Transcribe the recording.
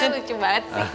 lucu banget sih